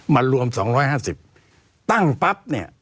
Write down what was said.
รวม๒๕๐ตั้งปั๊บเนี่ย